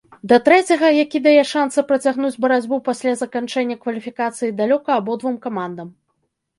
Да трэцяга, які дае шансы працягнуць барацьбу пасля заканчэння кваліфікацыі, далёка абодвум камандам.